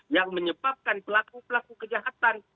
yang menyebabkan pelaku pelaku kejahatan